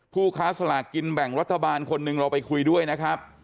ผู้ค้าสลากกินแบ่งรัฐบาลคนหนึ่งเราไปคุยด้วยนะครับ